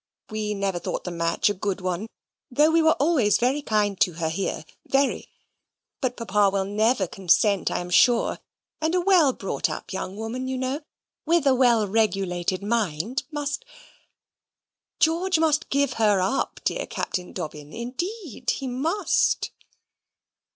We never thought the match a good one, though we were always very kind to her here very. But Papa will never consent, I am sure. And a well brought up young woman, you know with a well regulated mind, must George must give her up, dear Captain Dobbin, indeed he must."